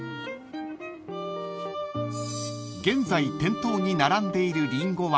［現在店頭に並んでいるリンゴは］